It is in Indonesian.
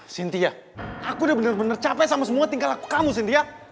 sintia aku udah bener bener capek sama semua tinggal aku kamu cynthia